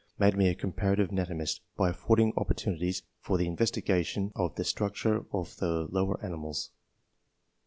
made m6 a comparative anatomist, by aflfording opportuni ties for the investigation of the structure of the lower animals.